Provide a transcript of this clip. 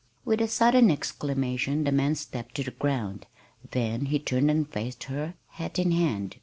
With a sudden exclamation the man stepped to the ground; then he turned and faced her, hat in hand.